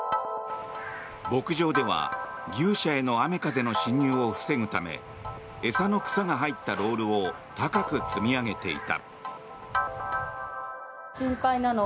牧場では牛舎への雨風の浸入を防ぐため餌の草が入ったロールを高く積み上げていた。